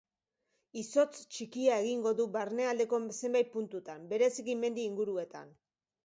Izotz txikia egingo du barnealdeko zenbait puntutan, bereziki mendi inguruetan.